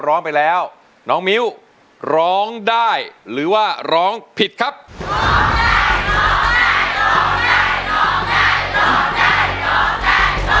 ร้องได้ร้องได้ร้องได้ร้องได้